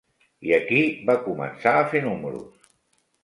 I aquí va començar a fer números